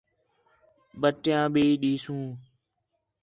بٹیاں بھی ݙیسوں